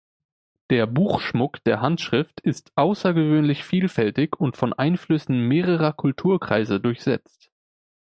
Der Buchschmuck der Handschrift ist außergewöhnlich vielfältig und von Einflüssen mehrerer Kulturkreise durchsetzt.